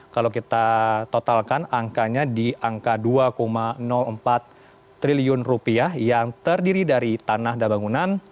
kalau kita totalkan angkanya di angka dua empat triliun rupiah yang terdiri dari tanah dan bangunan